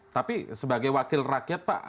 tapi sebagai wakil rakyat pak